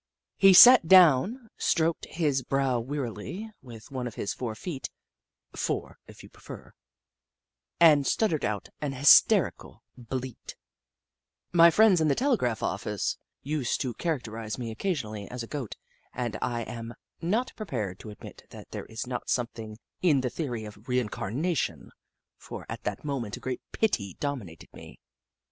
He sat down, stroked his brow wearily with one of his four feet (fore, if you prefer), and stuttered out an hysterical bleat. Jagg, the Skootaway Goat 35 My friends in the telegraph office used to characterise me occasionally as a Goat, and I am not prepared to admit that there is not something in the theory of reincarnation, for at that moment a great pity dominated me.